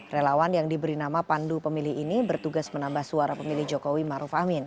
relawan yang diberi nama pandu pemilih ini bertugas menambah suara pemilih joko widodo